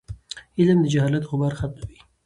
علم د جهالت غبار ختموي.